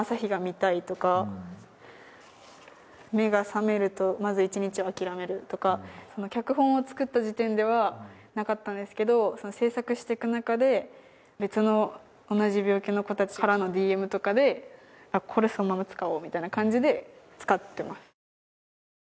目が覚めると、まず１日は諦めるとかの脚本を作った時点ではなかったんですけどその制作していく中で、別の同じ病気の子たちからのＤＭとかでこれそのまま使おうみたいな感じで使ってます